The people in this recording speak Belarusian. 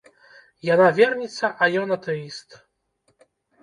Яна верніца, а ён атэіст.